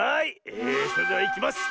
えそれではいきます。